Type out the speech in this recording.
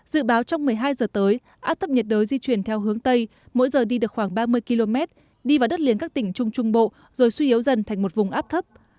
dự báo trong một mươi hai giờ tới áp thấp nhiệt đới di chuyển theo hướng tây mỗi giờ đi được khoảng ba mươi km đi vào đất liền các tỉnh trung trung bộ rồi suy yếu dần thành một vùng áp thấp